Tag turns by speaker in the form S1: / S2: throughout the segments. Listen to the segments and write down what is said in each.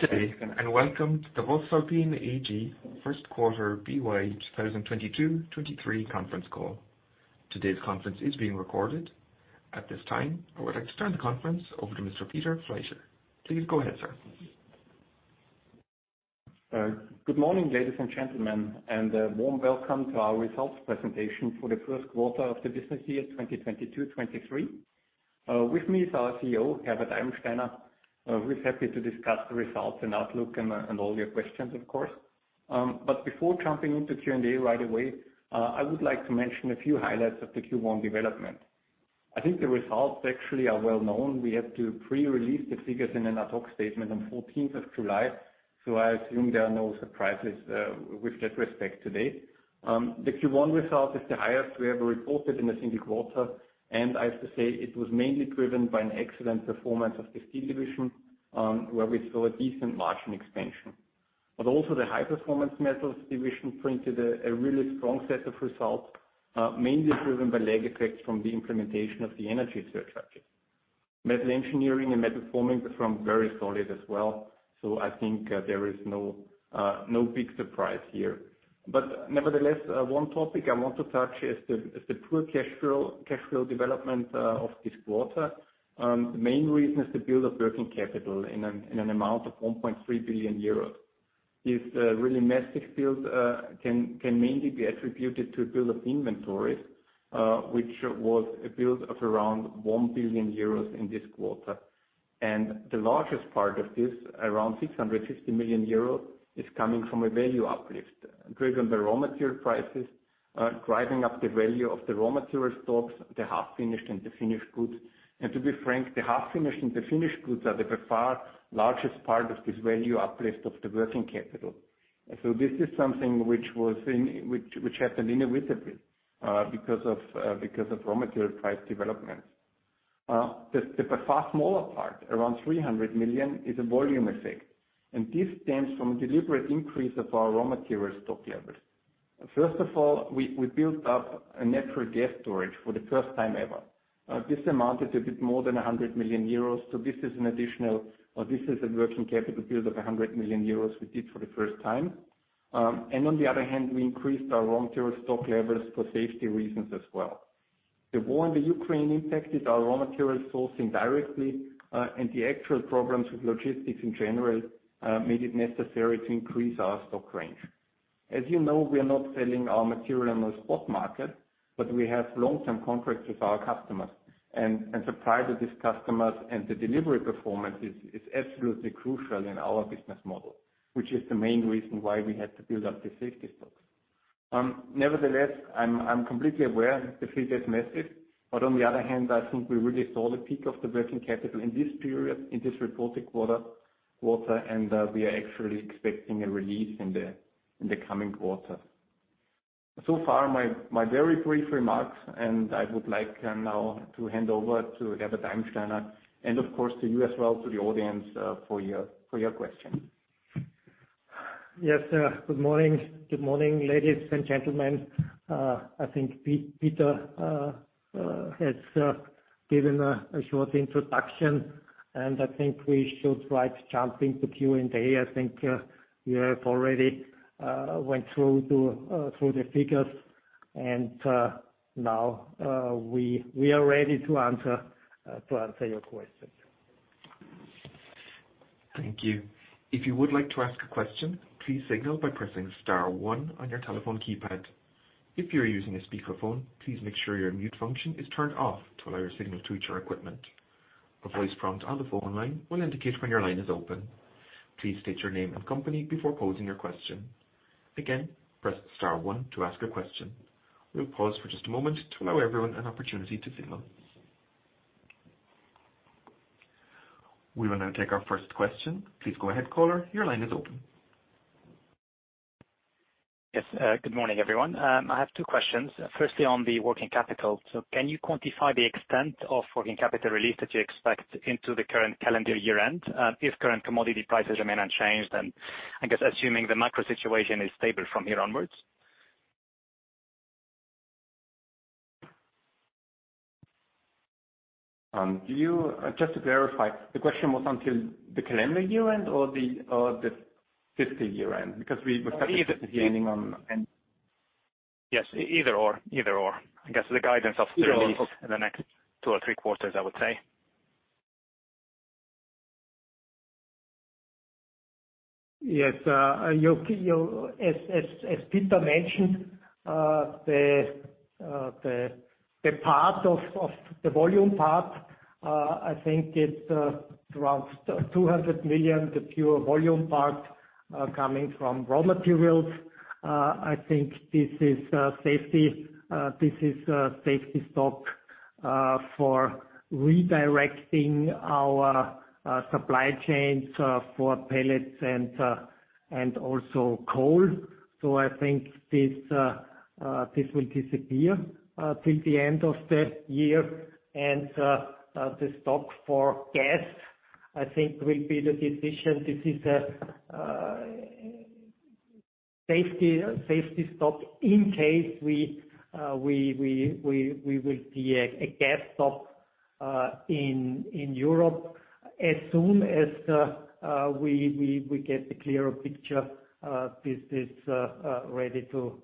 S1: Good day, and welcome to the voestalpine AG first quarter FY 2022/2023 conference call. Today's conference is being recorded. At This time, I would like to turn the conference over to Mr. Peter Fleischer. Please go ahead, sir.
S2: Good morning, ladies and gentlemen, and warm welcome to our results presentation for the first quarter of the business year 2022/2023. With me is our CEO, Herbert Eibensteiner. We're happy to discuss the results and outlook and all your questions, of course. But before jumping into Q&A right away, I would like to mention a few highlights of the Q1 development. I think the results actually are well known. We had to pre-release the figures in an ad hoc statement on fourteenth of July. I assume there are no surprises with that respect today. The Q1 result is the highest we ever reported in a single quarter. I have to say it was mainly driven by an excellent performance of the Steel Division, where we saw a decent margin expansion. Also the High Performance Metals Division printed a really strong set of results, mainly driven by lag effects from the implementation of the energy surcharges. Metal Engineering and Metal Forming performed very solid as well. I think there is no big surprise here. Nevertheless, one topic I want to touch is the poor cash flow development of this quarter. The main reason is the build of working capital in an amount of 1.3 billion euros. This really massive build can mainly be attributed to build of inventories, which was a build of around 1 billion euros in this quarter. The largest part of this, around 650 million euros, is coming from a value uplift driven by raw material prices, driving up the value of the raw material stocks, the half-finished and the finished goods. To be frank, the half-finished and the finished goods are the by far largest part of this value uplift of the working capital. This is something which was which happened inevitably, because of raw material price developments. The by far smaller part, around 300 million, is a volume effect, and this stems from deliberate increase of our raw material stock levels. First of all, we built up a natural gas storage for the first time ever. This amounted a bit more than 100 million euros. This is an additional, or this is a working capital build of 100 million euros we did for the first time. On the other hand, we increased our raw material stock levels for safety reasons as well. The war in the Ukraine impacted our raw material sourcing directly. The actual problems with logistics in general made it necessary to increase our stock range. As you know, we are not selling our material in the spot market, but we have long-term contracts with our customers and supply to these customers, and the delivery performance is absolutely crucial in our business model, which is the main reason why we had to build up the safety stocks. Nevertheless, I'm completely aware the figure is massive, but on the other hand, I think we really saw the peak of the working capital in this period, in this reported quarter, and we are actually expecting a release in the coming quarter. So far my very brief remarks, and I would like now to hand over to Herbert Eibensteiner and of course to you as well to the audience for your questions.
S3: Yes. Good morning. Good morning, ladies and gentlemen. I think Peter has given a short introduction, and I think we should jump right into Q&A. I think you have already went through the figures, and now we are ready to answer your questions.
S1: Thank you. If you would like to ask a question, please signal by pressing star one on your telephone keypad. If you're using a speakerphone, please make sure your mute function is turned off to allow your signal to reach our equipment. A voice prompt on the phone line will indicate when your line is open. Please state your name and company before posing your question. Again, press star one to ask a question. We'll pause for just a moment to allow everyone an opportunity to signal. We will now take our first question. Please go ahead, caller. Your line is open.
S4: Yes. Good morning, everyone. I have two questions. Firstly, on the working capital. Can you quantify the extent of working capital release that you expect into the current calendar year-end, if current commodity prices remain unchanged and I guess assuming the macro situation is stable from here onwards?
S2: Just to verify, the question was until the calendar year-end or the fiscal year-end?
S4: Yes, either or. I guess the guidance in the release in the next 2 or 3 quarters, I would say.
S3: Yes, as Peter mentioned, the part of the volume part, I think it's around 200 million, the pure volume part coming from raw materials. I think this is safety stock for redirecting our supply chains for pellets and also coal. I think this will disappear till the end of the year. The stock for gas, I think, will be decided. This is safety stock in case we will be at a gas shortage in Europe. As soon as we get a clearer picture, this is ready to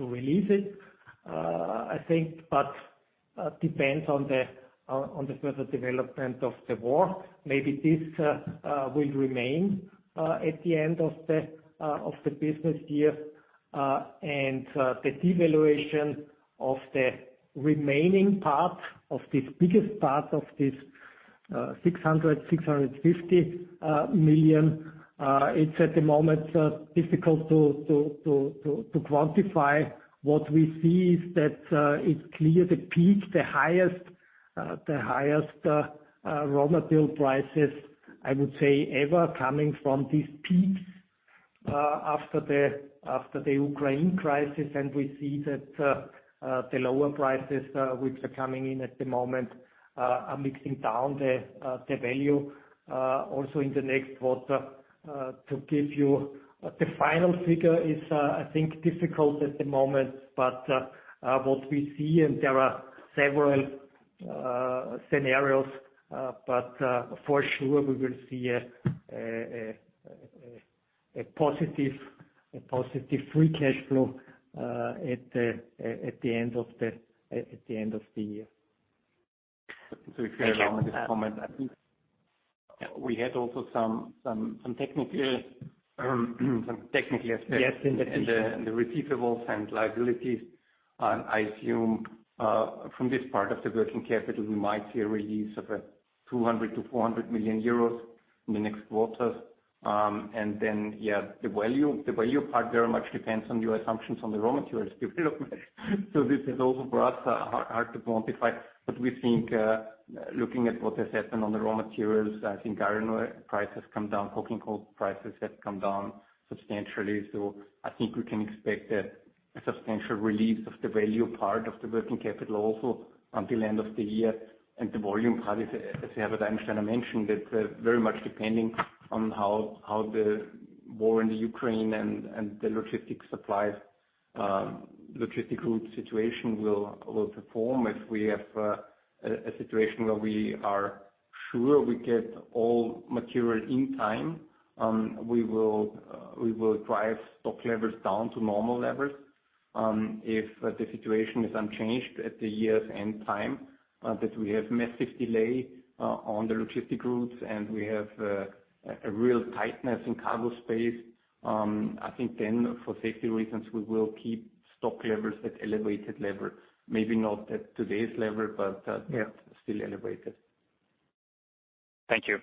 S3: release it. I think, but depends on the further development of the war. Maybe this will remain at the end of the business year. The devaluation of the remaining part of this biggest part of this 650 million, it's at the moment difficult to quantify. What we see is that, it's clear the peak, the highest raw material prices, I would say, ever coming from this peak after the Ukraine crisis. We see that the lower prices, which are coming in at the moment, are mixing down the value also in the next quarter. To give you the final figure is, I think, difficult at the moment, but what we see and there are several scenarios, but for sure we will see a positive free cash flow at the end of the year.
S2: If I may comment, I think we had also some technical aspects.
S3: Yes.
S2: The receivables and liabilities. I assume from this part of the working capital, we might see a release of 200 million-400 million euros in the next quarter. The value part very much depends on your assumptions on the raw materials development. This is also for us hard to quantify. We think looking at what has happened on the raw materials, I think iron ore price has come down, coking coal prices have come down substantially. I think we can expect a substantial release of the value part of the working capital also until end of the year. The volume part is, as Herbert Eibensteiner mentioned, it very much depending on how the war in the Ukraine and the logistics supply, logistical situation will perform. If we have a situation where we are sure we get all material in time, we will drive stock levels down to normal levels. If the situation is unchanged at the year's end time, that we have massive delay on the logistic routes, and we have a real tightness in cargo space, I think then for safety reasons, we will keep stock levels at elevated level. Maybe not at today's level, but
S3: Yeah.
S2: Still elevated.
S4: Thank you.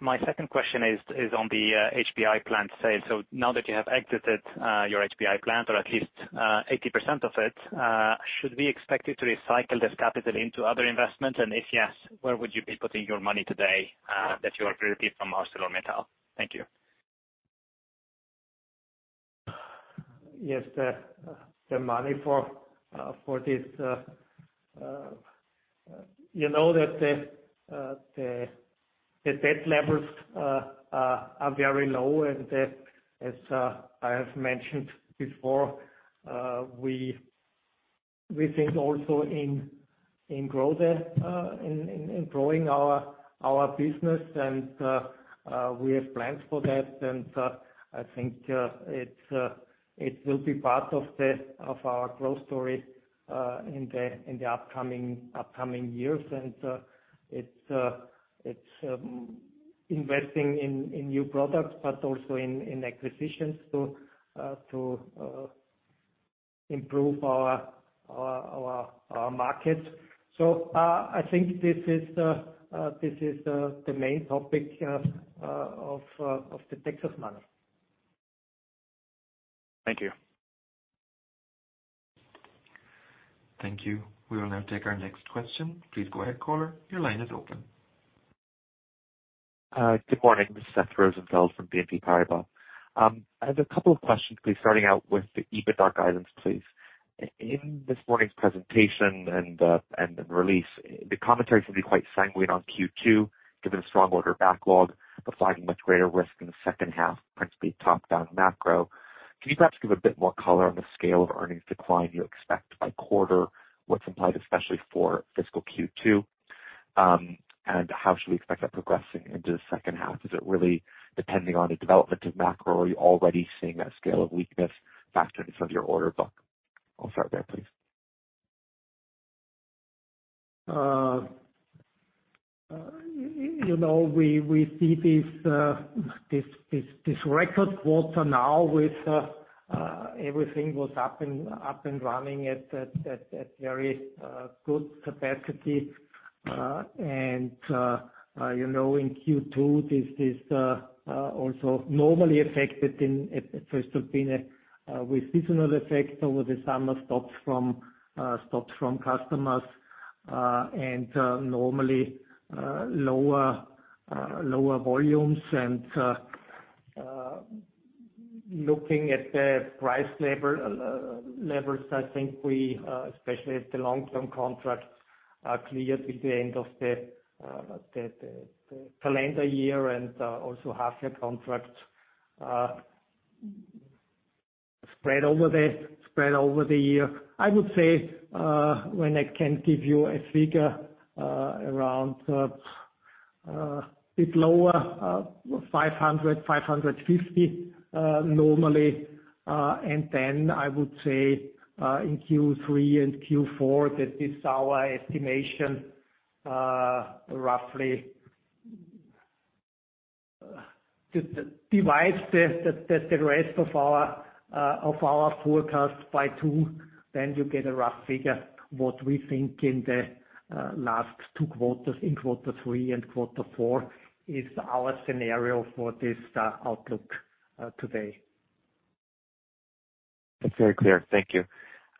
S4: My second question is on the HBI plant sale. Now that you have exited your HBI plant or at least 80% of it, should we expect you to recycle this capital into other investment? If yes, where would you be putting your money today that you are free to keep from ArcelorMittal? Thank you.
S3: Yes. The money for this, you know that the debt levels are very low and, as I have mentioned before, we think also in growing our business and we have plans for that. I think it will be part of our growth story in the upcoming years. It's investing in new products, but also in acquisitions to improve our markets. I think this is the main topic of the Texas HBI.
S4: Thank you.
S1: Thank you. We will now take our next question. Please go ahead, caller. Your line is open.
S5: Good morning. This is Seth Rosenfeld from BNP Paribas. I have a couple of questions, please, starting out with the EBITDA guidance, please. In this morning's presentation and release, the commentary seemed to be quite sanguine on Q2, given the strong order backlog, but flagging much greater risk in the second half, principally top-down macro. Can you perhaps give a bit more color on the scale of earnings decline you expect by quarter? What's implied, especially for fiscal Q2, and how should we expect that progressing into the second half? Is it really depending on the development of macro or are you already seeing that scale of weakness factored into some of your order book? I'll start there, please.
S3: You know, we see this record quarter now with everything up and running at very good capacity. You know, in Q2 this is also normally affected in the first half with seasonal effects over the summer, stops from customers, and normally lower volumes. Looking at the price levels, I think we especially the long-term contracts are cleared with the end of the calendar year and also half-year contracts spread over the year. I would say when I can give you a figure around a bit lower, 500-550 normally. I would say in Q3 and Q4 that is our estimation, roughly. To divide the rest of our forecast by 2, then you get a rough figure. What we think in the last two quarters, in quarter three and quarter four is our scenario for this outlook, today.
S5: That's very clear. Thank you.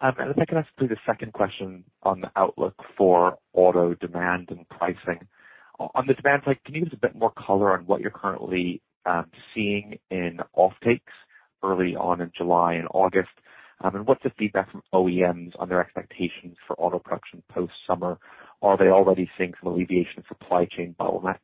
S5: If I can ask you the second question on the outlook for auto demand and pricing. On the demand side, can you give us a bit more color on what you're currently seeing in offtakes early on in July and August? What's the feedback from OEMs on their expectations for auto production post summer? Are they already seeing some alleviation of supply chain bottlenecks?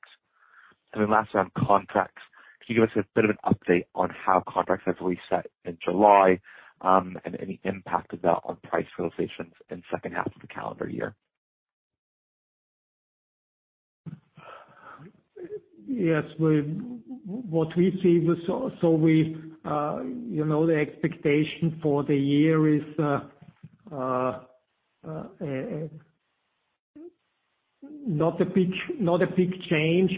S5: Lastly, on contracts, can you give us a bit of an update on how contracts have reset in July and any impact of that on price realizations in second half of the calendar year?
S3: Yes. What we see is, you know, the expectation for the year is not a big change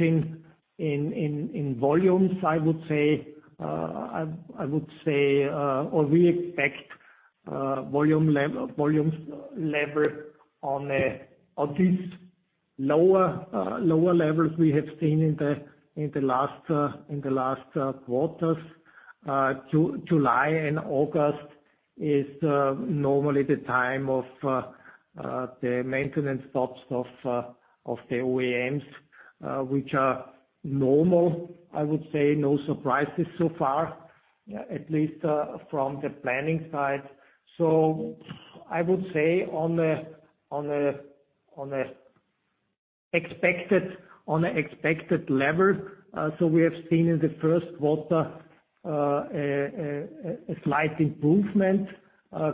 S3: in volumes, I would say. I would say or we expect volume level on these lower levels we have seen in the last quarters. July and August is normally the time of the maintenance stops of the OEMs, which are normal, I would say. No surprises so far, at least, from the planning side. I would say on an expected level, we have seen in the first quarter a slight improvement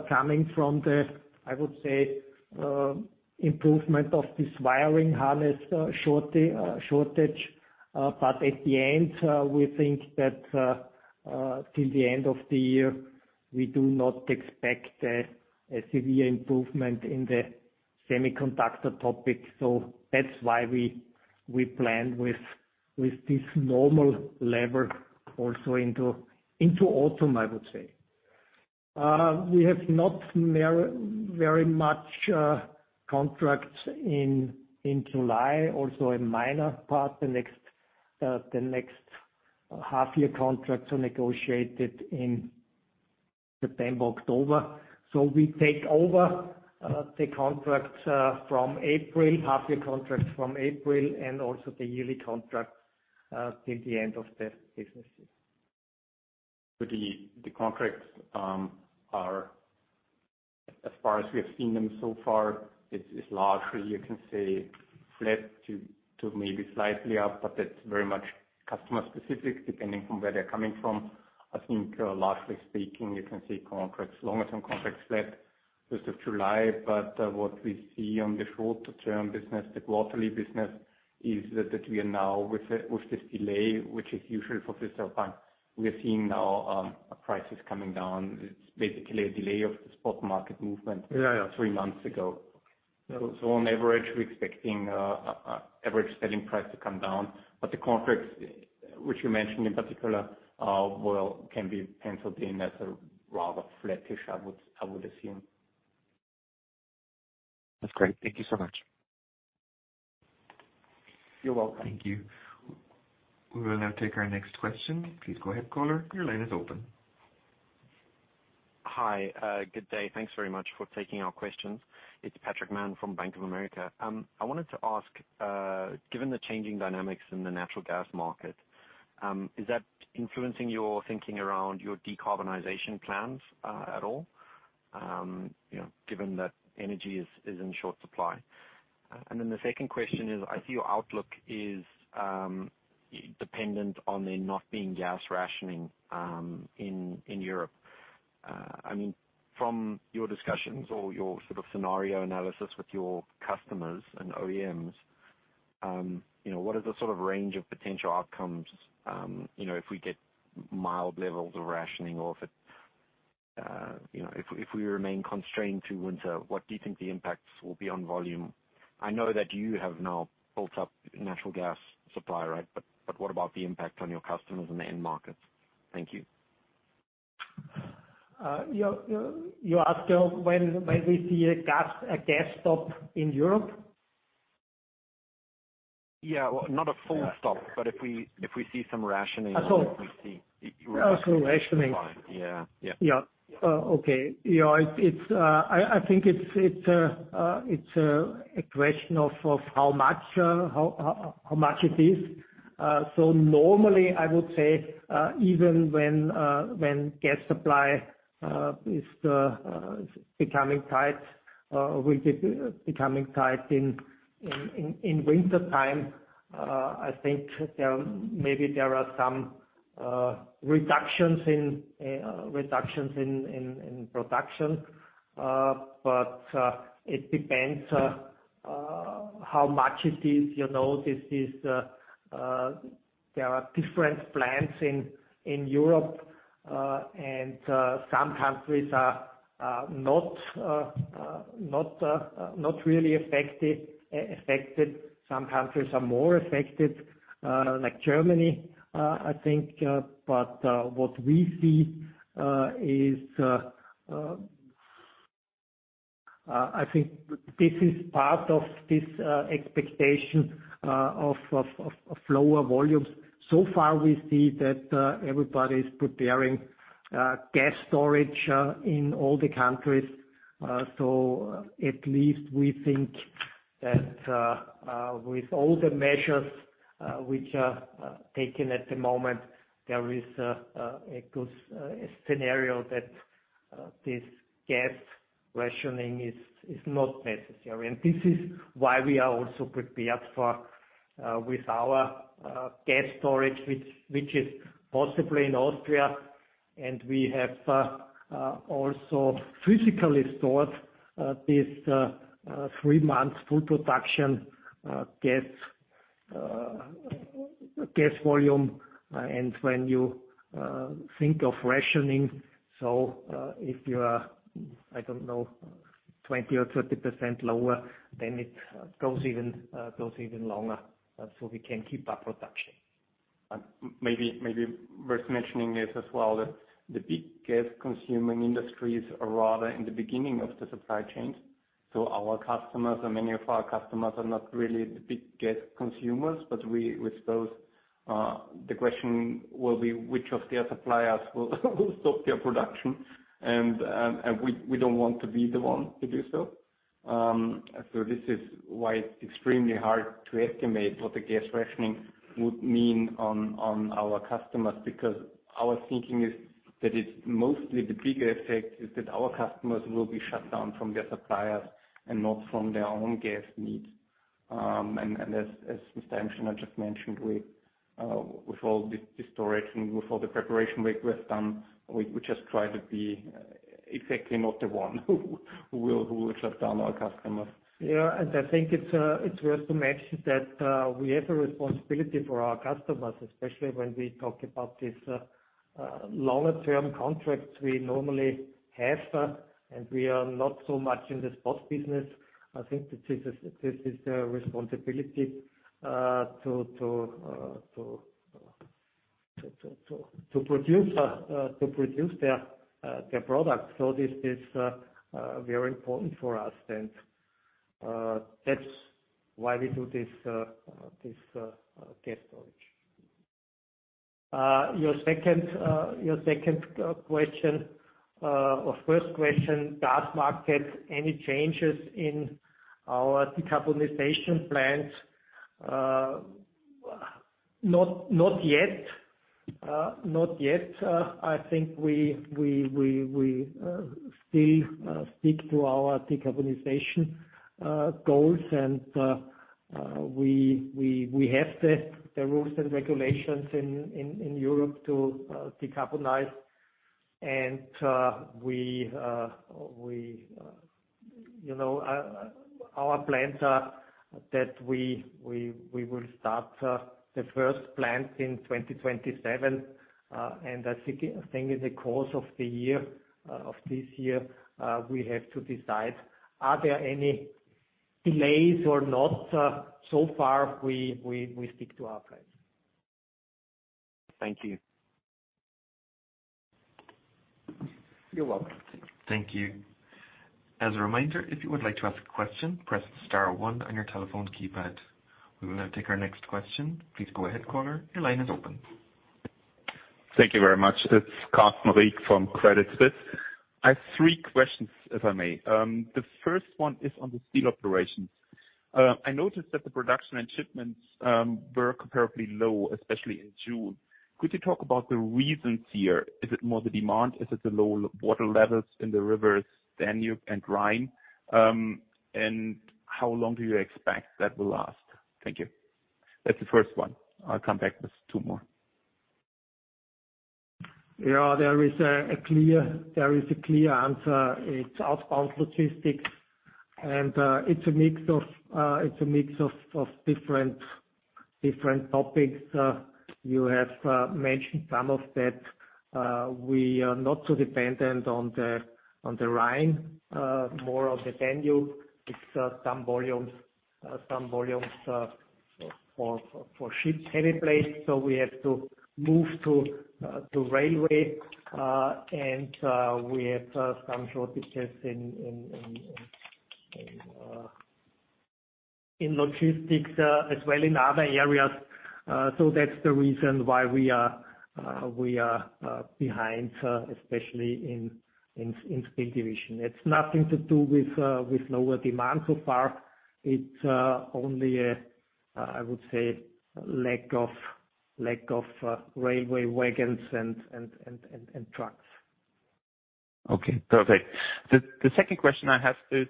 S3: coming from the, I would say, improvement of this wiring harness shortage. At the end, we think that till the end of the year, we do not expect a severe improvement in the semiconductor topic. That's why we plan with this normal level also into autumn, I would say. We have not very much contracts in July, also a minor part. The next half year contracts are negotiated in September, October. We take over the contracts from April, half year contracts from April, and also the yearly contracts till the end of the business year.
S2: The contracts are as far as we have seen them so far, it's largely you can say flat to maybe slightly up, but that's very much customer specific, depending from where they're coming from. I think largely speaking, you can say contracts, longer term contracts flat as of July. What we see on the short term business, the quarterly business is that we are now with this delay, which is usual for specific applications, we are seeing now prices coming down. It's basically a delay of the spot market movement.
S3: Yeah, yeah.
S2: Three months ago. On average, we're expecting average selling price to come down. The contracts which you mentioned in particular, well, can be penciled in as a rather flattish, I would assume.
S5: That's great. Thank you so much.
S3: You're welcome.
S1: Thank you. We will now take our next question. Please go ahead, caller. Your line is open.
S6: Hi. Good day. Thanks very much for taking our questions. It's Patrick Mann from Bank of America. I wanted to ask, given the changing dynamics in the natural gas market, is that influencing your thinking around your decarbonization plans, at all? You know, given that energy is in short supply. Then the second question is, I see your outlook is dependent on there not being gas rationing in Europe. I mean, from your discussions or your sort of scenario analysis with your customers and OEMs, you know, what is the sort of range of potential outcomes? You know, if we get mild levels of rationing or if we remain constrained through winter, what do you think the impacts will be on volume? I know that you have now built up natural gas supply, right. What about the impact on your customers and the end markets? Thank you.
S3: You're asking when we see a gas spot in Europe?
S6: Yeah. Well, not a full stop, but if we see some rationing.
S3: Oh.
S6: We see.
S3: Oh, rationing.
S6: Yeah. Yeah.
S3: It's a question of how much it is. So normally I would say, even when gas supply is becoming tight in wintertime, I think there may be some reductions in production. But it depends how much it is. You know, this is, there are different plants in Europe. And some countries are not really affected. Some countries are more affected, like Germany. I think what we see is this is part of this expectation of lower volumes. We see that everybody's preparing gas storage in all the countries. At least we think that with all the measures which are taken at the moment, there is a good scenario that this gas rationing is not necessary. This is why we are also prepared for with our gas storage, which is possibly in Austria. We have also physically stored this three months full production gas volume. When you think of rationing, if you are, I don't know, 20% or 30% lower, then it goes even lower, so we can keep up production.
S2: Maybe worth mentioning this as well, the big gas consuming industries are rather in the beginning of the supply chains. Our customers and many of our customers are not really the big gas consumers, but we suppose the question will be which of their suppliers will stop their production. We don't want to be the one to do so. This is why it's extremely hard to estimate what the gas rationing would mean on our customers. Because our thinking is that it's mostly the bigger effect is that our customers will be shut down from their suppliers and not from their own gas needs. As Mr. Herbert Eibensteiner just mentioned we with all the storage and with all the preparation work we have done. We just try to be exactly not the one who will shut down our customers.
S3: Yeah. I think it's worth to mention that we have a responsibility for our customers, especially when we talk about this longer term contracts we normally have, and we are not so much in the spot business. I think this is a responsibility to produce their products. This is very important for us. That's why we do this gas storage. Your second question or first question, gas market, any changes in our decarbonization plans? Not yet. Not yet. I think we still stick to our decarbonization goals. We have the rules and regulations in Europe to decarbonize. Our plans are that we will start the first plant in 2027. I think in the course of the year of this year we have to decide, are there any delays or not? So far, we stick to our plans.
S2: Thank you.
S3: You're welcome.
S1: Thank you. As a reminder, if you would like to ask a question, press star one on your telephone keypad. We will now take our next question. Please go ahead, caller. Your line is open.
S7: Thank you very much. It's Carsten Riek from Credit Suisse. I have three questions, if I may. The first one is on the steel operations. I noticed that the production and shipments were comparatively low, especially in June. Could you talk about the reasons here? Is it more the demand? Is it the low water levels in the rivers Danube and Rhine? And how long do you expect that will last? Thank you. That's the first one. I'll come back with two more.
S3: Yeah. There is a clear answer. It's outbound logistics, and it's a mix of different topics. You have mentioned some of that. We are not so dependent on the Rhine, more of the Danube. It's some volumes for ships, heavy plates. We have to move to railway. We have some shortages in logistics as well in other areas. That's the reason why we are behind, especially in Steel Division. It's nothing to do with lower demand so far. It's only a, I would say lack of railway wagons and trucks.
S7: Okay, perfect. The second question I have is,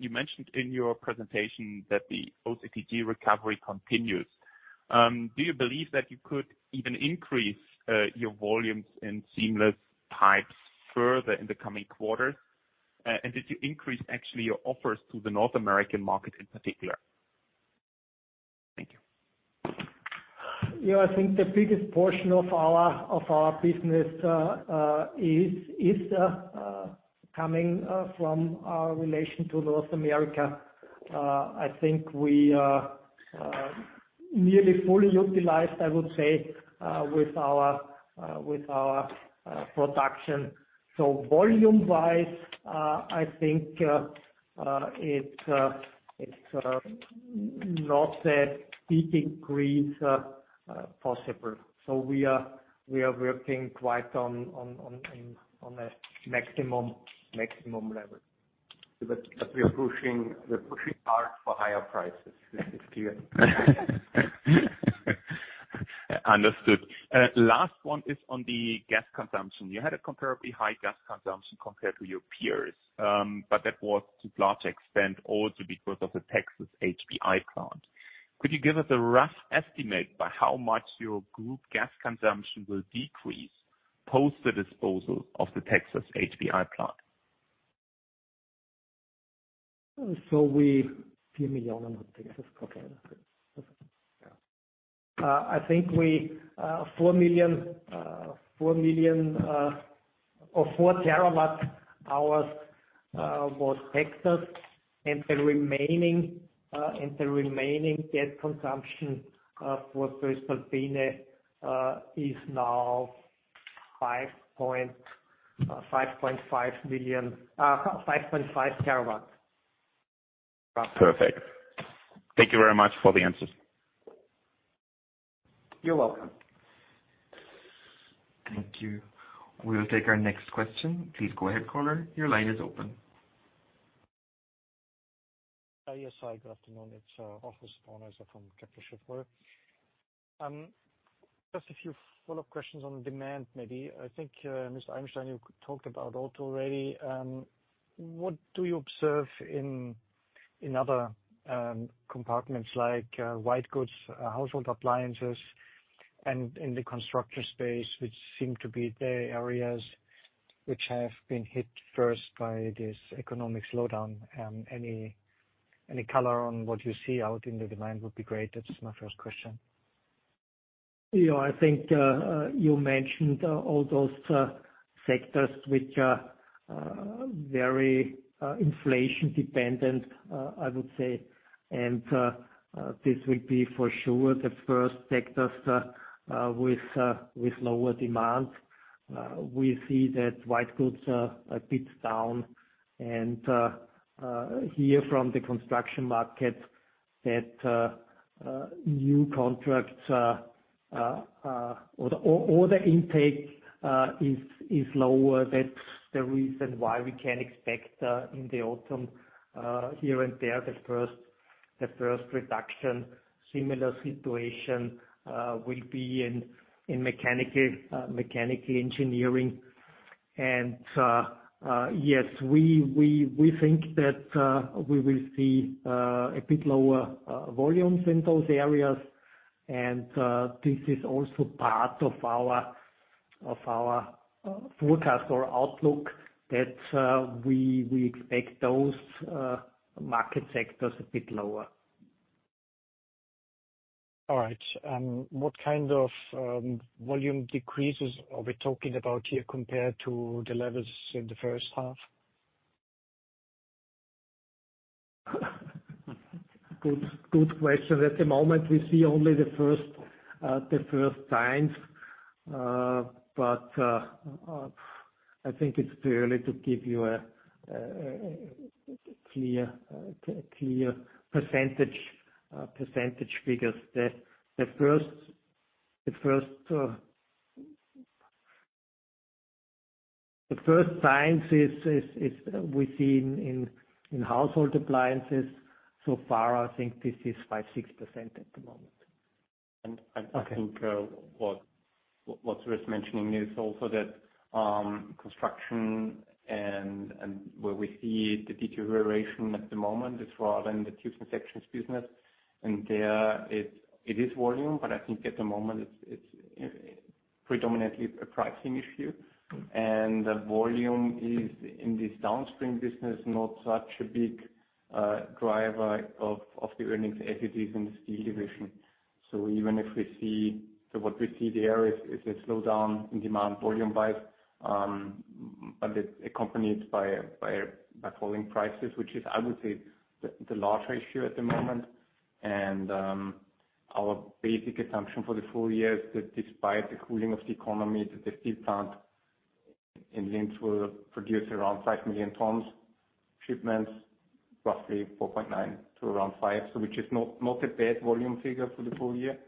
S7: you mentioned in your presentation that the OCTG recovery continues. Do you believe that you could even increase your volumes in seamless pipes further in the coming quarters? Did you increase actually your offers to the North American market in particular? Thank you.
S3: Yeah. I think the biggest portion of our business is coming from our relation to North America. I think we are nearly fully utilized, I would say, with our production. Volume-wise, I think it's not a big increase possible. We are working quite on a maximum level.
S2: We're pushing hard for higher prices this year.
S7: Understood. Last one is on the gas consumption. You had a comparably high gas consumption compared to your peers, but that was to large extent also because of the Texas HBI plant. Could you give us a rough estimate by how much your group gas consumption will decrease post the disposal of the Texas HBI plant?
S3: So we-
S2: $4 million in Texas.
S3: I think 4 TWh was Texas. The remaining gas consumption for voestalpine is now 5.5 TWh.
S7: Perfect. Thank you very much for the answers.
S3: You're welcome.
S1: Thank you. We'll take our next question. Please go ahead, caller. Your line is open.
S4: Hi, yes. Hi, good afternoon. It's [Tristan Gresser] from [BNP Paribas Exane]. Just a few follow-up questions on demand. I think Mr. Eibensteiner, you talked about auto already. What do you observe in other compartments like white goods, household appliances and in the construction space, which seem to be the areas which have been hit first by this economic slowdown? Any color on what you see out in the demand would be great. That's my first question.
S3: You know, I think you mentioned all those sectors which are very inflation dependent, I would say. This will be for sure the first sectors with lower demand. We see that white goods are a bit down and here from the construction market that new contracts or the order intake is lower. That's the reason why we can expect in the autumn here and there the first reduction. Similar situation will be in mechanical engineering. Yes, we think that we will see a bit lower volumes in those areas. This is also part of our forecast or outlook that we expect those market sectors a bit lower.
S4: All right. What kind of volume decreases are we talking about here compared to the levels in the first half?
S3: Good question. At the moment, we see only the first signs. I think it's too early to give you a clear percentage figures. The first signs is we see in household appliances so far. I think this is 5%-6% at the moment.
S2: I think what's worth mentioning is also that construction and where we see the deterioration at the moment is rather in the tubes and sections business. There it is volume, but I think at the moment it's predominantly a pricing issue. The volume is in this downstream business, not such a big driver of the earnings as it is in the Steel Division. What we see there is a slowdown in demand volume-wise, but it's accompanied by falling prices, which I would say is the larger issue at the moment. Our basic assumption for the full year is that despite the cooling of the economy, the steel plant in Linz will produce around 5 million tons shipments, roughly 4.9 to around 5. Which is not a bad volume figure for the full year,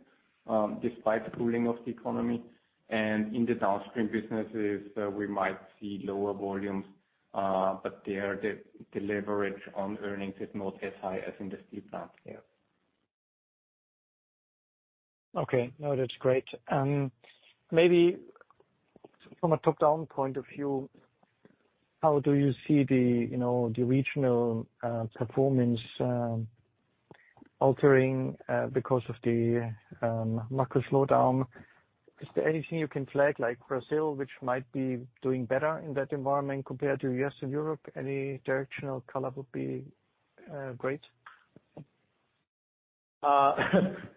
S2: despite the cooling of the economy. In the downstream businesses, we might see lower volumes, but there the leverage on earnings is not as high as in the steel plant there.
S4: Okay. No, that's great. Maybe from a top-down point of view, how do you see the, you know, the regional performance altering because of the macro slowdown? Is there anything you can flag, like Brazil, which might be doing better in that environment compared to U.S. and Europe? Any directional color would be great.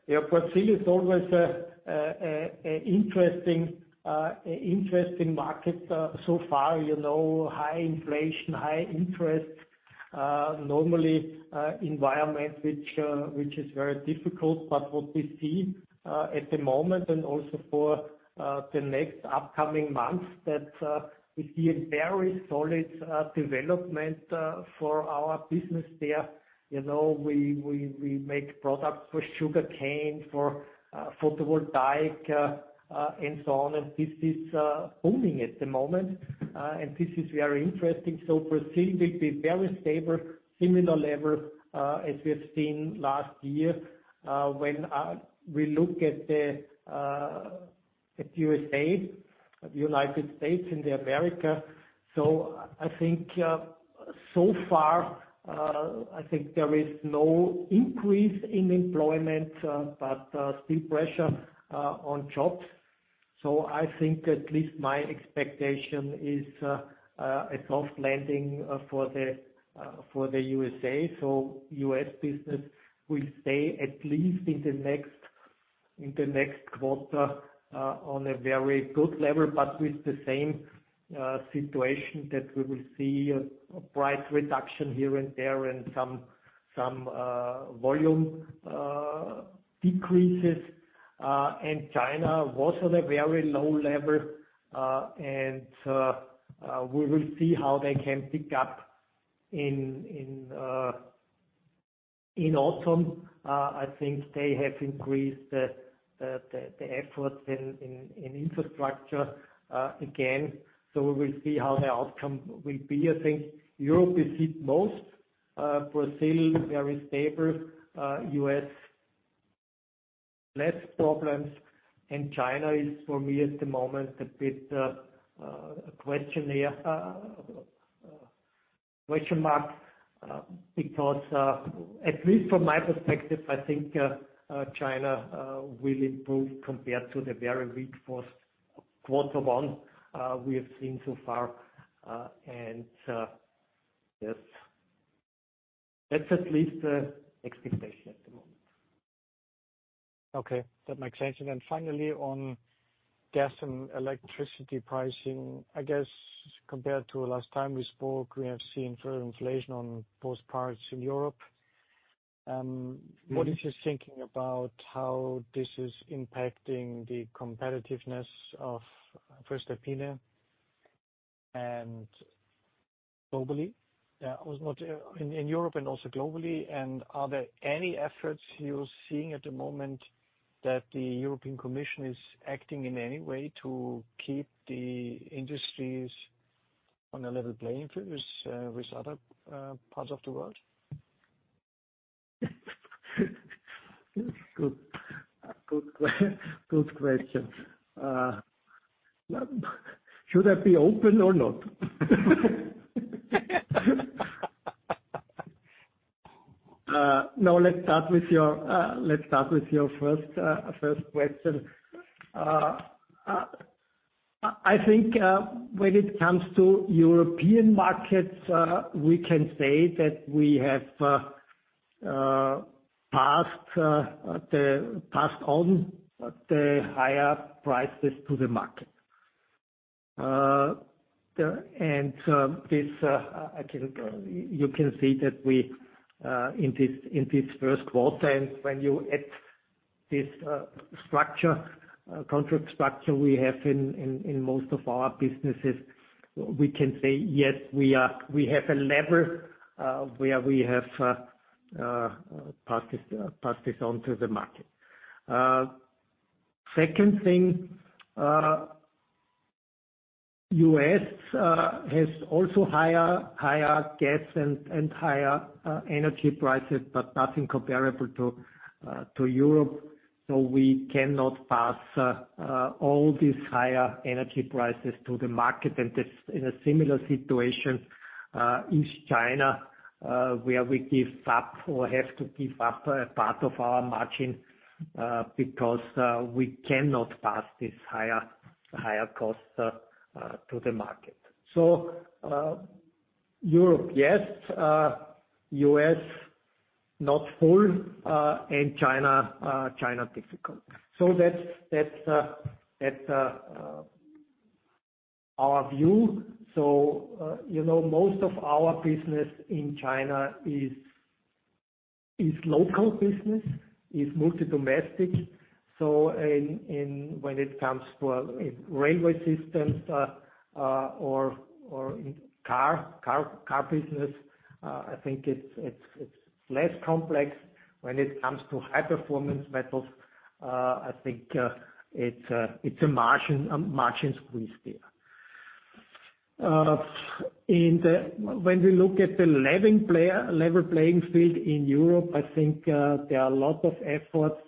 S3: Yeah, Brazil is always an interesting market so far. You know, high inflation, high interest rate environment which is very difficult. What we see at the moment and also for the next upcoming months that we see a very solid development for our business there. You know, we make products for sugarcane, for photovoltaic, and so on. This is booming at the moment. This is very interesting. Brazil will be very stable, similar level as we have seen last year. When we look at the USA, the United States in America, I think so far there is no increase in employment, but still pressure on jobs. I think at least my expectation is a soft landing for the USA. US business will stay at least in the next quarter on a very good level. With the same situation that we will see a price reduction here and there and some volume decreases. China also at a very low level. We will see how they can pick up in autumn. I think they have increased the efforts in infrastructure again. We will see how the outcome will be. I think Europe is hit most. Brazil, very stable. US, less problems. China is for me at the moment a bit of a question mark, because at least from my perspective, I think China will improve compared to the very weak first quarter one we have seen so far. Yes. That's at least the expectation at the moment.
S4: Okay. That makes sense. Finally, on gas and electricity pricing. I guess compared to last time we spoke, we have seen further inflation on both parts in Europe.
S3: Mm-hmm.
S4: What is your thinking about how this is impacting the competitiveness of voestalpine and globally? In Europe and also globally. Are there any efforts you're seeing at the moment that the European Commission is acting in any way to keep the industries on a level playing field with other parts of the world?
S3: Good question. Should I be open or not? No, let's start with your first question. I think when it comes to European markets, we can say that we have passed on the higher prices to the market. This, you can see that we in this first quarter and when you add this contract structure we have in most of our businesses, we can say, yes, we have a lever where we have passed this on to the market. Second thing, US has also higher gas and higher energy prices, but nothing comparable to Europe. We cannot pass all these higher energy prices to the market. This, in a similar situation, is China, where we give up or have to give up a part of our margin, because we cannot pass this higher cost to the market. Europe, yes. US, not full. China difficult. That's our view. You know, most of our business in China is local business, is multi-domestic. When it comes to railway systems or car business, I think it's less complex. When it comes to high-performance metals, I think it's a margin squeeze there. When we look at the level playing field in Europe, I think there are a lot of efforts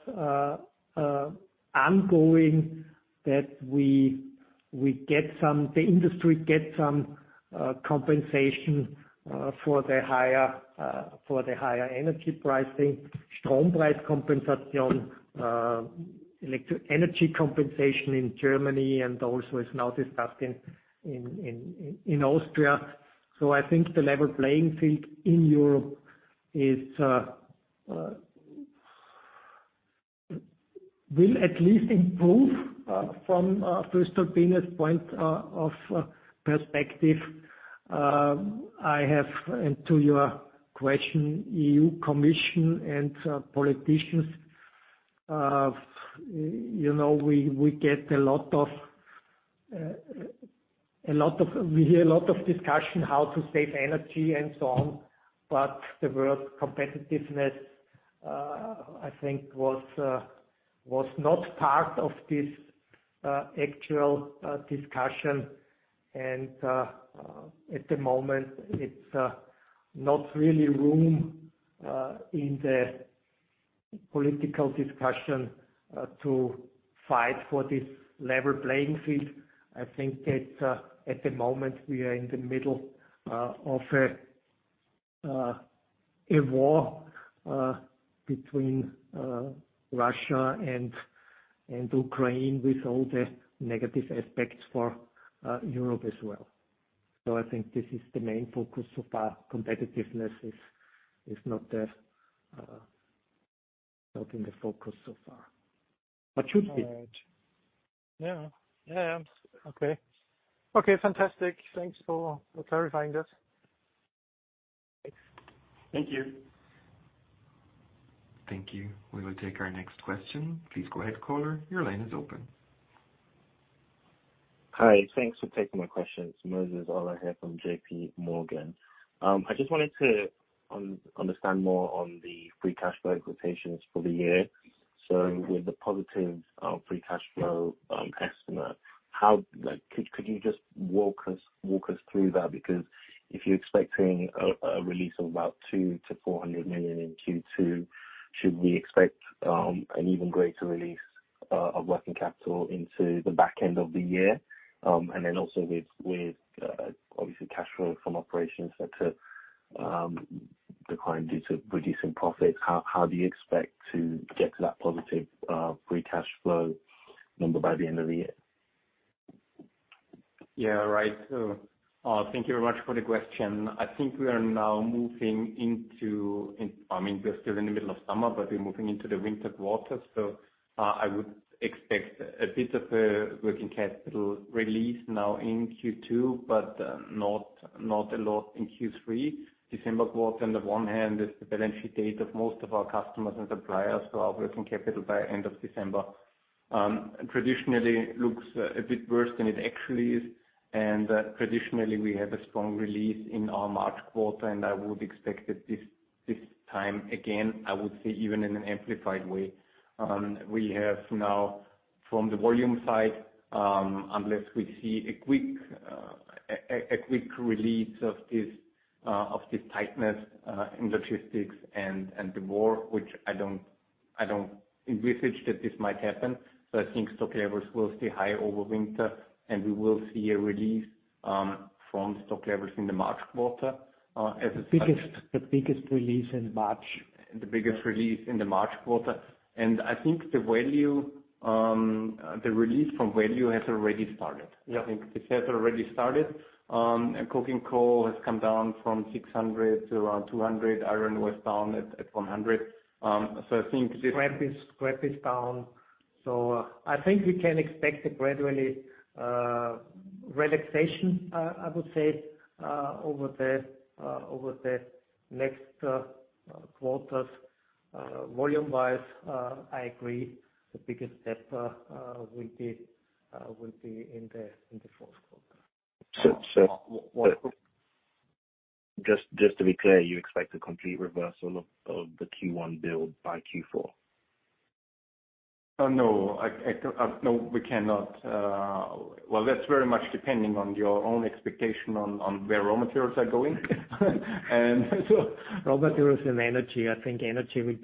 S3: ongoing that the industry gets some compensation for the higher energy pricing. Electricity compensation in Germany and also is now discussed in Austria. I think the level playing field in Europe will at least improve from voestalpine's point of perspective. To your question, European Commission and politicians, you know, we get a lot of. We hear a lot of discussion how to save energy and so on, but the world competitiveness, I think was not part of this actual discussion. At the moment there's not really room in the political discussion to fight for this level playing field. I think that at the moment we are in the middle of a war between Russia and Ukraine with all the negative aspects for Europe as well. I think this is the main focus so far. Competitiveness is not in the focus so far, but should be.
S4: All right. Yeah. Okay. Okay, fantastic. Thanks for clarifying this. Thanks.
S3: Thank you.
S1: Thank you. We will take our next question. Please go ahead, caller. Your line is open.
S8: Hi. Thanks for taking my questions. Moses Ola here from J.P. Morgan. I just wanted to understand more on the free cash flow expectations for the year. With the positive free cash flow estimate, how could you just walk us through that? Because if you're expecting a release of about 200-400 million in Q2, should we expect an even greater release of working capital into the back end of the year? With obviously cash flow from operations that declined due to reducing profits, how do you expect to get to that positive free cash flow number by the end of the year?
S2: Thank you very much for the question. I think we are now moving into, I mean, we're still in the middle of summer, but we're moving into the winter quarters. I would expect a bit of a working capital release now in Q2, but not a lot in Q3. December quarter, on the one hand is the balance sheet date of most of our customers and suppliers for our working capital by end of December. Traditionally, it looks a bit worse than it actually is, and traditionally, we have a strong release in our March quarter, and I would expect it this time again, I would say even in an amplified way. We have now from the volume side, unless we see a quick release of this tightness in logistics and the war, which I don't envisage that this might happen. I think stock levels will stay high over winter, and we will see a release from stock levels in the March quarter, the biggest release in the March quarter. I think the release from value has already started. Yeah. I think this has already started. Coking coal has come down from $600 to around $200. Iron ore was down at $100. Scrap is down.
S3: I think we can expect a gradual relaxation, I would say, over the next quarters. Volume-wise, I agree the biggest step will be in the fourth quarter.
S8: Just to be clear, you expect a complete reversal of the Q1 build by Q4?
S2: No, we cannot. Well, that's very much depending on your own expectation on where raw materials are going.
S3: Raw materials and energy. I think energy will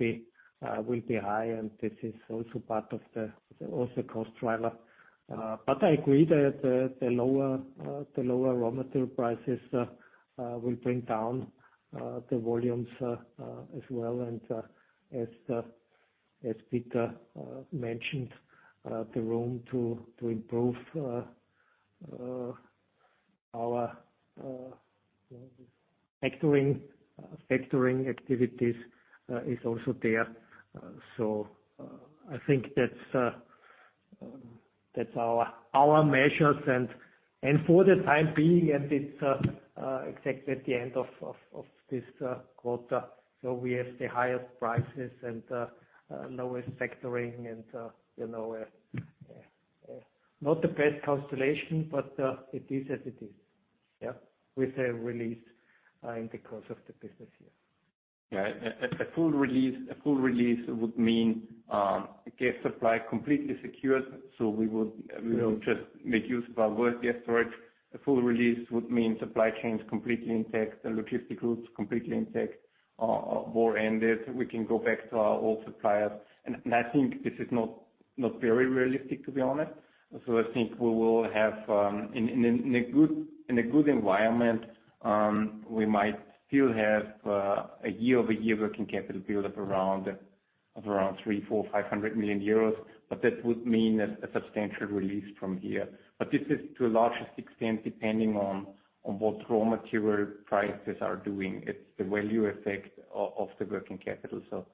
S3: be high, and this is also part of the cost driver. I agree that the lower raw material prices will bring down the volumes as well. As Peter mentioned, the room to improve our factoring activities is also there. I think that's our measures and for the time being, and it's exactly at the end of this quarter. We have the highest prices and lowest factoring and you know not the best constellation, but it is as it is. Yeah. With a release in the course of the business year.
S2: Yeah. A full release would mean gas supply completely secured. We will just make use of our worst gas storage. A full release would mean supply chains completely intact and logistics completely intact. War ended, we can go back to our old suppliers. I think this is not very realistic, to be honest. I think we will have in a good environment we might still have a year-over-year working capital build of around 300-500 million euros, but that would mean a substantial release from here. This is to a large extent depending on what raw material prices are doing. It's the value effect of the working capital. This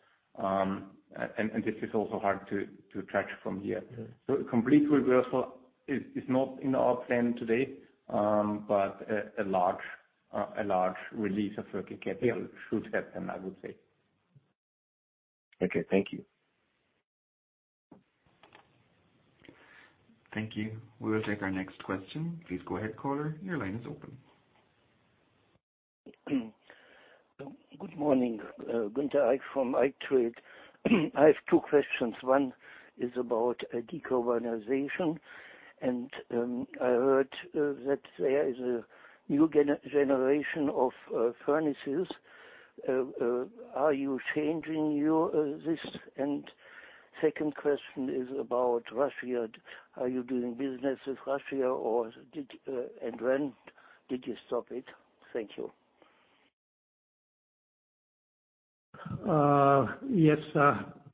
S2: is also hard to track from here.
S8: Yeah.
S2: A complete reversal is not in our plan today. A large release of working capital-
S8: Yeah.
S2: Should happen, I would say.
S8: Okay, thank you.
S1: Thank you. We will take our next question. Please go ahead, caller. Your line is open.
S9: Good morning, Günter Eckert from ECKERT, I have two questions one is about
S3: Yes.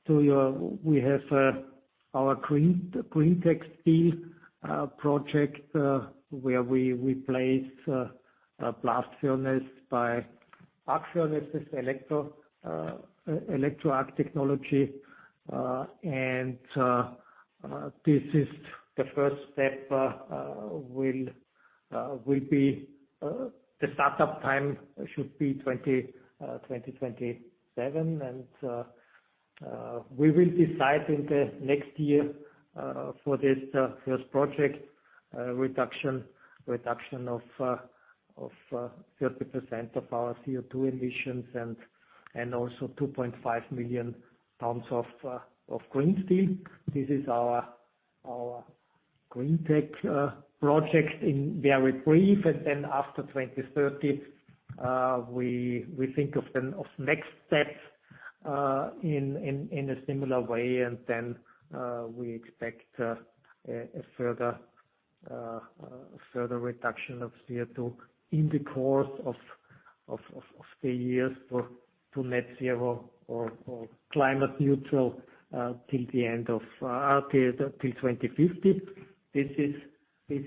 S3: To your... We have our greentec Steel project where we replaced a blast furnace with electric arc furnace with electric arc technology. This is the first step. Will be the start up time should be 2027. We will decide in the next year for this first project, reduction of 30% of our CO2 emissions and also 2.5 million tons of green steel. This is our greentec project in very brief. Then after 2030, we think of next steps in a similar way. We expect a further reduction of CO2 in the course of the years to net zero or climate neutral till the end of 2050. This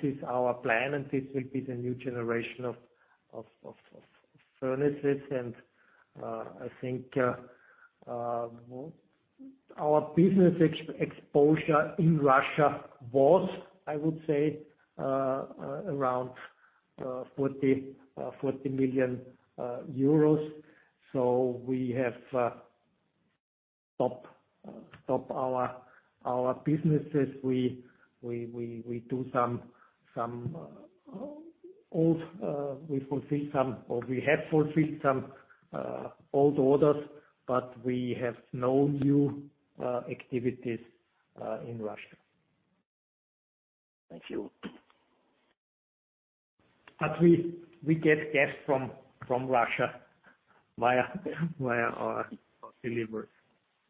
S3: is our plan, and this will be the new generation of furnaces. I think our business exposure in Russia was, I would say, around EUR 40 million. We have stopped our businesses. We fulfill some or we have fulfilled some old orders, but we have no new activities in Russia.
S4: Thank you.
S3: We get gas from Russia via our deliveries.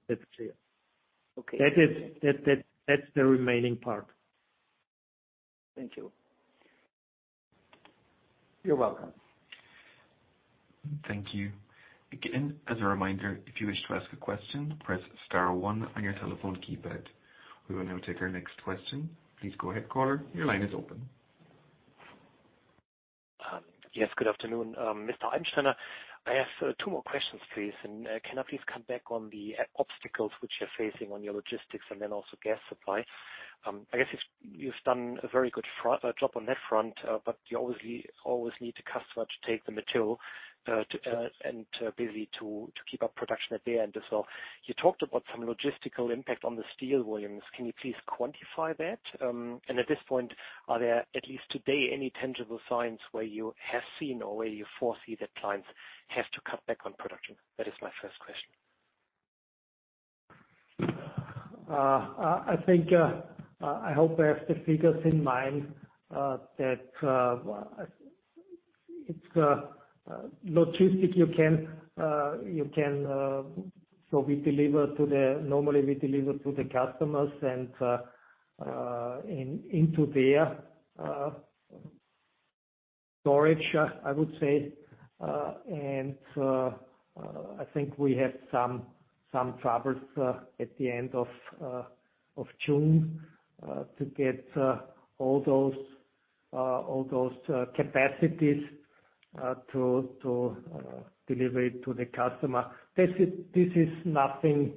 S3: That's clear.
S4: Okay.
S3: That's the remaining part.
S4: Thank you.
S3: You're welcome.
S1: Thank you. Again, as a reminder, if you wish to ask a question, press star one on your telephone keypad. We will now take our next question. Please go ahead, caller. Your line is open.
S4: Yes, good afternoon. Mr. Eibensteiner, I have two more questions, please. Can I please come back on the obstacles which you're facing on your logistics and then also gas supply? I guess you've done a very good job on that front, but you obviously always need the customer to take the material to and basically to keep up production at the end as well. You talked about some logistical impact on the steel volumes. Can you please quantify that? At this point, are there, at least today, any tangible signs where you have seen or where you foresee that clients have to cut back on production? That is my first question.
S3: I think I hope I have the figures in mind. We deliver normally to the customers and into their storage, I would say. I think we have some troubles at the end of June to get all those capacities to deliver it to the customer. This is nothing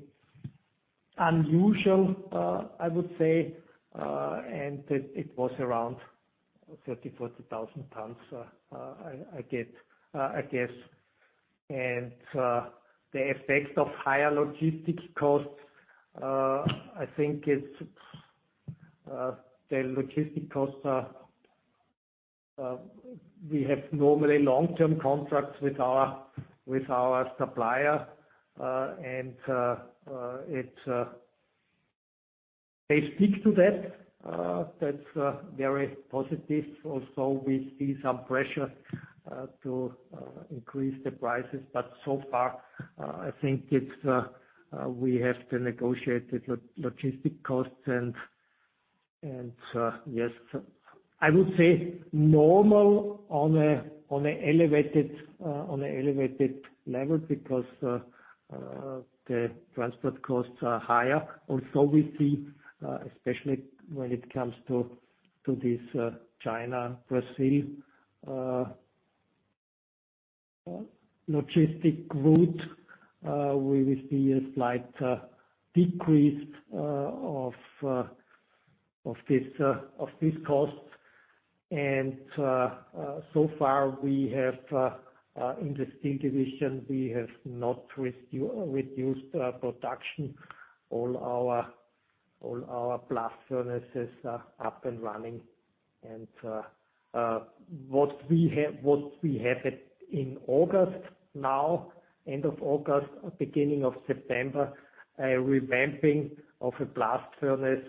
S3: unusual, I would say. It was around 30,000-40,000 tons, I guess. The effect of higher logistics costs, I think it's the logistics costs are. We have normally long-term contracts with our supplier, and it's. They speak to that's very positive. Also we see some pressure to increase the prices. So far, I think it's we have to negotiate the logistics costs and yes. I would say normal on an elevated level because the transport costs are higher. Also, we see especially when it comes to this China, Brazil logistics route, we will see a slight decrease of this cost. So far we have in the Steel Division, we have not reduced production. All our blast furnaces are up and running. What we have in August now, end of August, beginning of September, a revamping of a blast furnace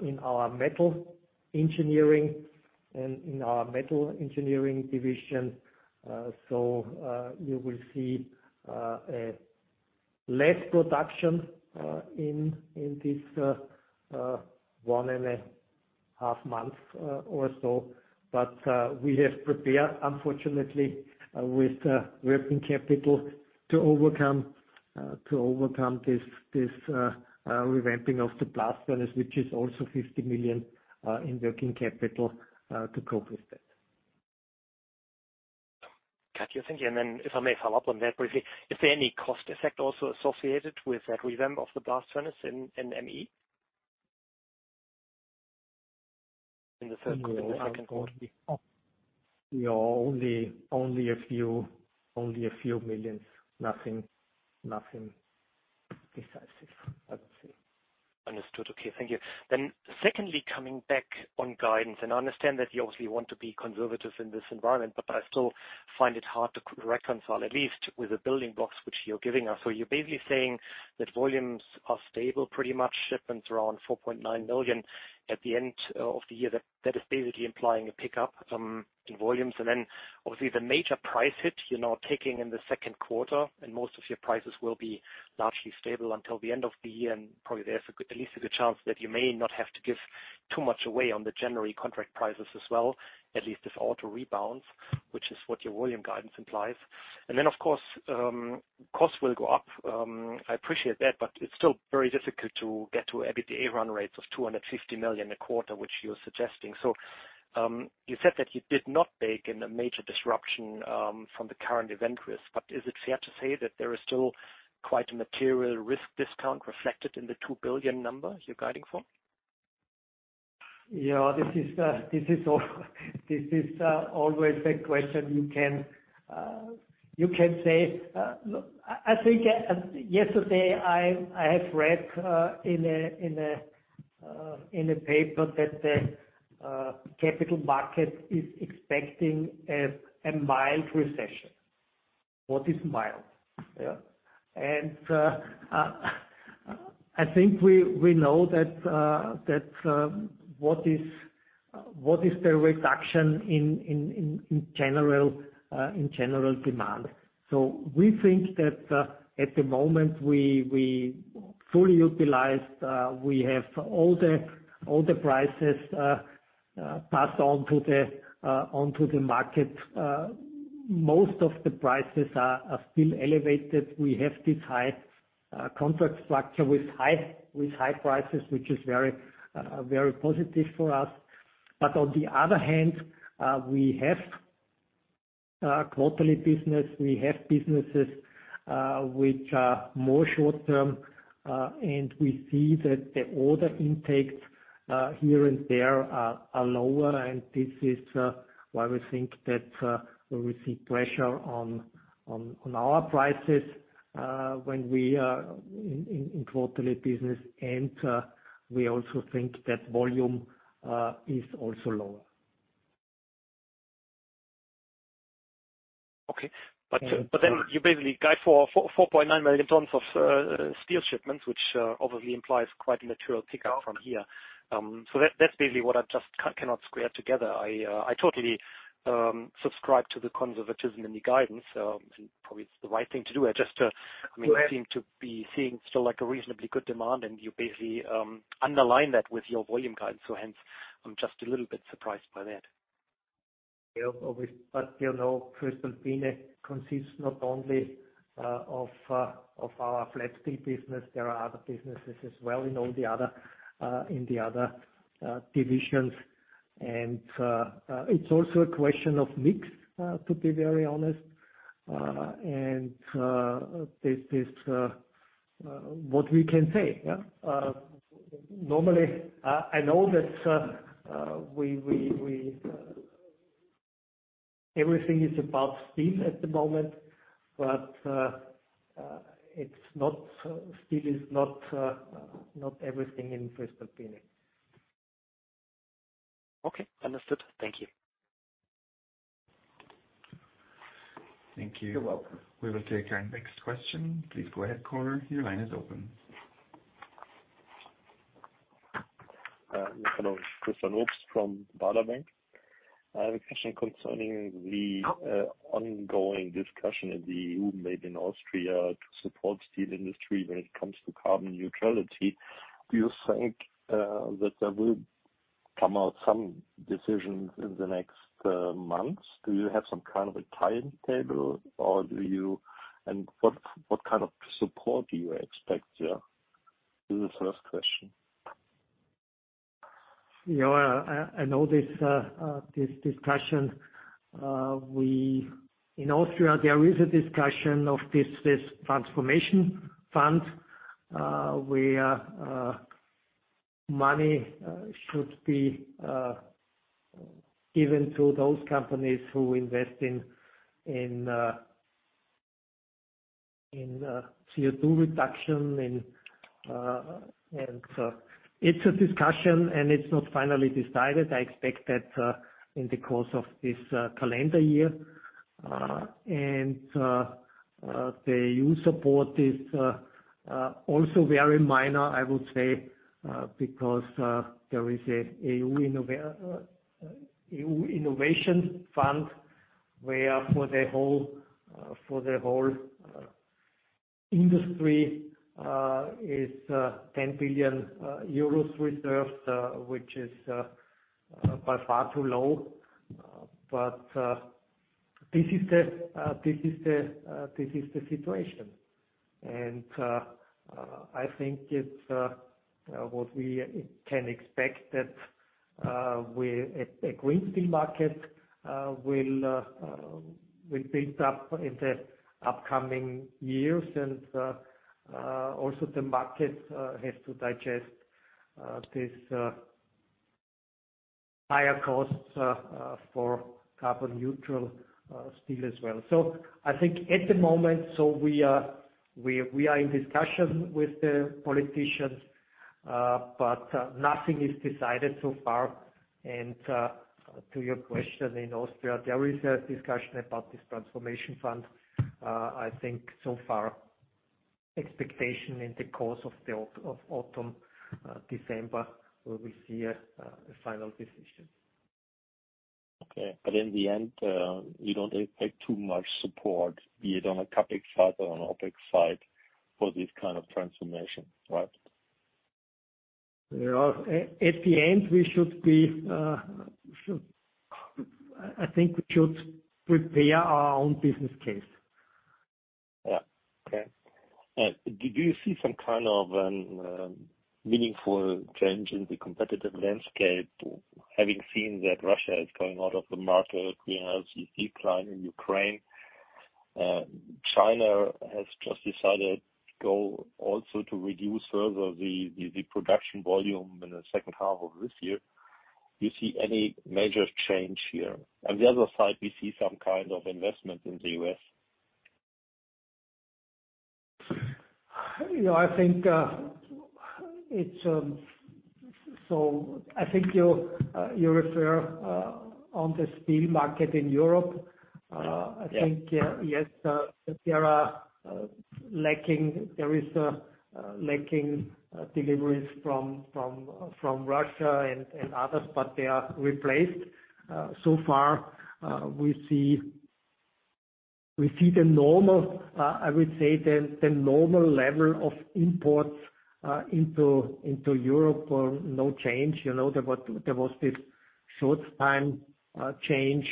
S3: in our Metal Engineering Division. You will see less production in this one and a half months or so. We have prepared, unfortunately, with working capital to overcome this revamping of the blast furnace, which is also 50 million in working capital to cope with that.
S4: Got you. Thank you. If I may follow up on that briefly. Is there any cost effect also associated with that revamp of the blast furnace in ME? In the first quarter.
S3: No. Only a few million EUR. Nothing decisive, I would say.
S4: Understood. Okay. Thank you. Secondly, coming back on guidance, and I understand that you obviously want to be conservative in this environment, but I still find it hard to reconcile, at least with the building blocks which you're giving us. You're basically saying that volumes are stable, pretty much shipments around 4.9 million at the end of the year. That is basically implying a pickup in volumes. Then obviously the major price hit, you're now taking in the second quarter, and most of your prices will be largely stable until the end of the year. Probably there's a good, at least a good chance that you may not have to give too much away on the January contract prices as well. At least if auto rebounds, which is what your volume guidance implies. Then of course, costs will go up. I appreciate that, but it's still very difficult to get to EBITDA run rates of 250 million a quarter, which you're suggesting. You said that you did not bake in a major disruption from the current event risk, but is it fair to say that there is still quite a material risk discount reflected in the 2 billion number you're guiding for?
S3: Yeah. This is always a question you can say. Look, I think yesterday I have read in a paper that the capital market is expecting a mild recession. What is mild? Yeah. I think we know that what is the reduction in general demand. We think that at the moment we fully utilized, we have all the prices passed on to the market. Most of the prices are still elevated. We have this high contract structure with high prices, which is very positive for us. On the other hand, we have quarterly business. We have businesses which are more short-term, and we see that the order intakes here and there are lower. This is why we think that we will see pressure on our prices when we are in quarterly business. We also think that volume is also lower.
S4: You basically guide for 4.9 million tons of steel shipments, which obviously implies quite a material pickup from here. That's basically what I just cannot square together. I totally subscribe to the conservatism in the guidance. Probably it's the right thing to do. I just, I mean, you seem to be seeing still like a reasonably good demand, and you basically underline that with your volume guidance. Hence I'm just a little bit surprised by that.
S3: Yeah. Obviously. You know, voestalpine consists not only of our flat steel business. There are other businesses as well in all the other divisions. It's also a question of mix, to be very honest. This is what we can say. Yeah. Normally, I know that everything is about steel at the moment, but it's not. Steel is not everything in voestalpine.
S4: Okay. Understood. Thank you.
S1: Thank you.
S3: You're welcome.
S1: We will take our next question. Please go ahead, caller. Your line is open.
S10: Hello. Christian Obst from Baader Bank. I have a question concerning the ongoing discussion in the EU Made in Austria to support steel industry when it comes to carbon neutrality. Do you think that there will come out some decisions in the next months? Do you have some kind of a timetable? What kind of support do you expect here? This is the first question.
S3: Yeah. I know this discussion. In Austria, there is a discussion of this transformation fund, where money should be given to those companies who invest in CO2 reduction and so it's a discussion, and it's not finally decided. I expect that in the course of this calendar year. The EU support is also very minor, I would say, because there is a EU Innovation Fund, where for the whole industry is 10 billion euros reserved, which is by far too low. This is the situation. I think it's what we can expect that a green steel market will build up in the upcoming years. Also the market has to digest this higher costs for carbon neutral steel as well. I think at the moment we are in discussion with the politicians, but nothing is decided so far. To your question, in Austria, there is a discussion about this transformation fund. I think so far expectation in the course of autumn, December, where we see a final decision.
S10: Okay. In the end, you don't expect too much support, be it on a CapEx side or an OpEx side, for this kind of transformation, right?
S3: You know, at the end, I think we should prepare our own business case.
S10: Yeah. Okay. Do you see some kind of meaningful change in the competitive landscape, having seen that Russia is going out of the market, we have the decline in Ukraine, China has just decided to also reduce further the production volume in the second half of this year. Do you see any major change here? On the other side, we see some kind of investment in the U.S.
S3: You know, I think you refer on the steel market in Europe.
S10: Yeah.
S3: I think there are lacking deliveries from Russia and others, but they are replaced. So far, we see the normal, I would say, the normal level of imports into Europe or no change. You know, there was this short-term change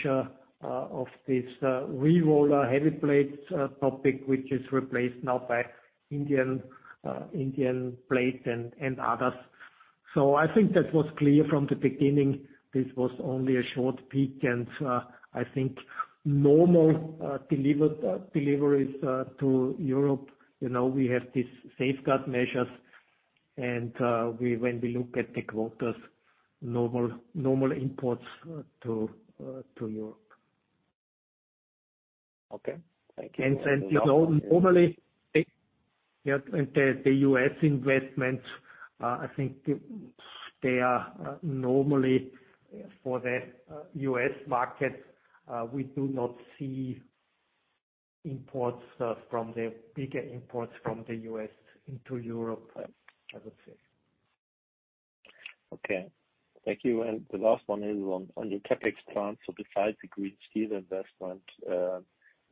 S3: of this rerouting heavy plates topic, which is replaced now by Indian plate and others. I think that was clear from the beginning. This was only a short peak and I think normal deliveries to Europe. You know, we have these safeguard measures and when we look at the quotas, normal imports to Europe.
S10: Okay. Thank you.
S3: Since, you know, normally, yeah, the U.S. investment. I think they are normally for the U.S. market. We do not see bigger imports from the U.S. into Europe, I would say.
S10: Okay. Thank you. The last one is on your CapEx plans. Besides the green steel investment,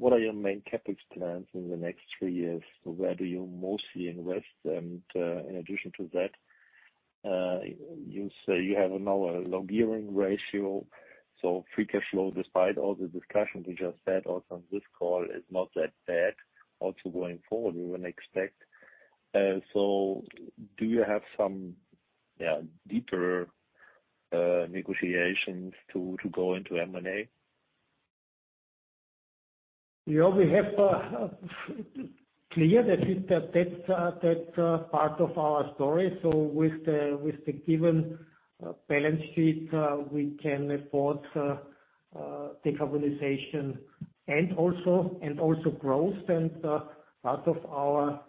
S10: what are your main CapEx plans in the next three years? Where do you mostly invest? In addition to that, you say you have now a low gearing ratio. Free cash flow, despite all the discussions we just had also on this call, is not that bad. Also going forward, we wouldn't expect. Do you have some deeper negotiations to go into M&A?
S3: Yeah, we have clarity. That is, that's part of our story. With the given balance sheet, we can afford decarbonization and also growth. Part of our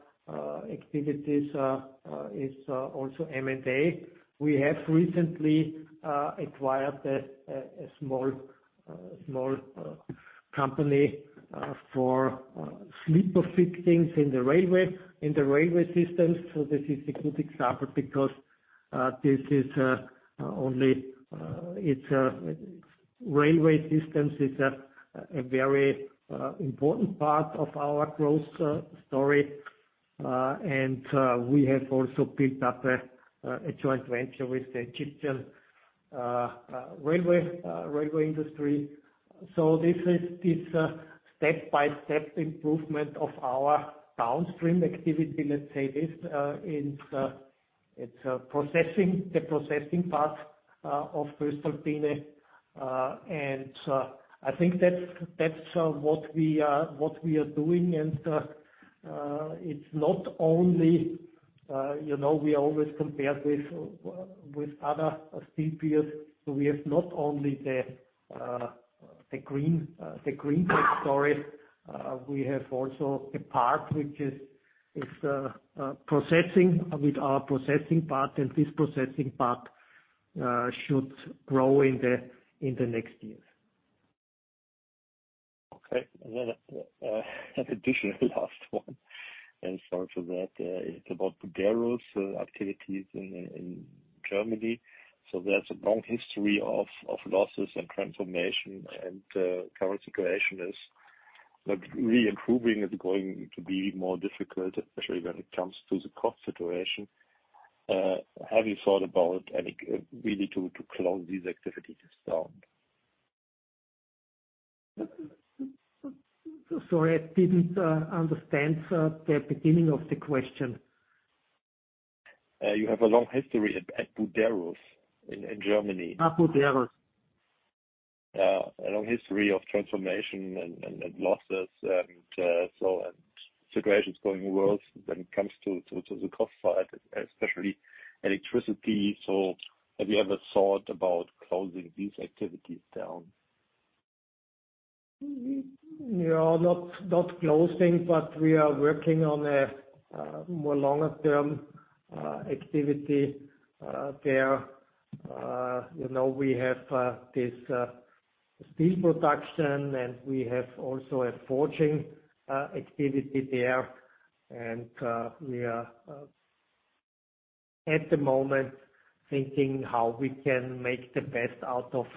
S3: activities is also M&A. We have recently acquired a small company for sleeper fixings in the Railway Systems. This is a good example because it's Railway Systems is a very important part of our growth story. We have also picked up a joint venture with the Egyptian railway industry. This is step-by-step improvement of our downstream activity, let's say this. It's processing, the processing part of voestalpine. I think that's what we are doing. It's not only, you know, we always compare with other steel producers. We have not only the green tech story, we have also a part which is processing with our processing part. This processing part should grow in the next years.
S10: Okay, an additional last one. Sorry for that. It's about Buderus activities in Germany. There's a long history of losses and transformation, and current situation is that re-improving is going to be more difficult, especially when it comes to the cost situation. Have you thought about, really, to close these activities down?
S3: Sorry, I didn't understand the beginning of the question.
S10: You have a long history at Buderus in Germany.
S3: At Buderus.
S10: Yeah. A long history of transformation and losses and situations going worse when it comes to the cost side, especially electricity. Have you ever thought about closing these activities down?
S3: No, not closing, but we are working on a more longer-term activity there. You know, we have this steel production, and we have also a forging activity there. We are at the moment thinking how we can make the best out of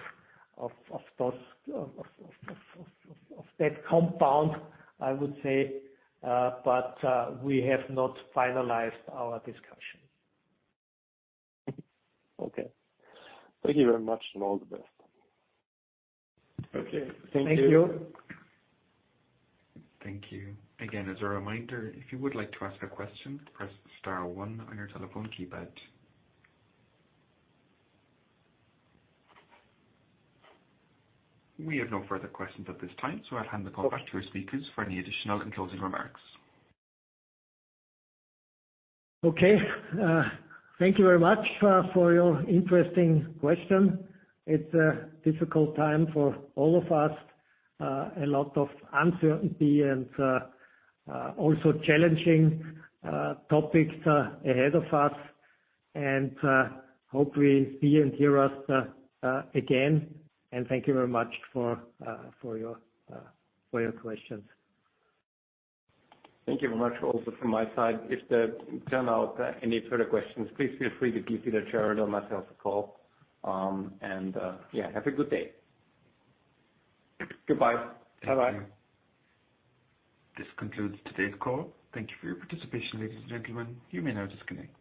S3: that compound, I would say. We have not finalized our discussions.
S10: Okay. Thank you very much and all the best.
S3: Okay. Thank you.
S1: Thank you. Again, as a reminder, if you would like to ask a question, press star one on your telephone keypad. We have no further questions at this time, so I'll hand the call back to our speakers for any additional closing remarks.
S3: Okay. Thank you very much for your interesting question. It's a difficult time for all of us. A lot of uncertainty and also challenging topics ahead of us. Hope we see and hear us again. Thank you very much for your questions.
S2: Thank you very much also from my side. If there turn out any further questions, please feel free to give either Gerald or myself a call. Yeah, have a good day. Goodbye.
S1: Thank you.
S3: Bye-bye.
S1: This concludes today's call. Thank you for your participation, ladies and gentlemen. You may now disconnect.